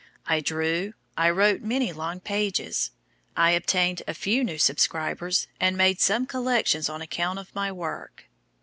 I drew, I wrote many long pages. I obtained a few new subscribers, and made some collections on account of my work."